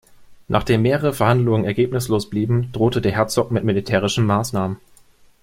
Nachdem mehrere Verhandlungen ergebnislos blieben, drohte der Herzog mit militärischen Maßnahmen.